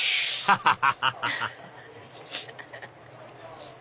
ハハハハハ！